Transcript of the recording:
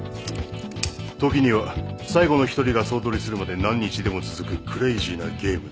時には最後の一人が総取りするまで何日でも続くクレイジーなゲームだ。